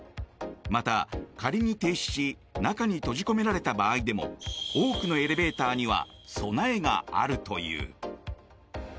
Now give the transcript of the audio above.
また、仮に停止し中に閉じ込められた場合でも多くのエレベーターには備えがあるという。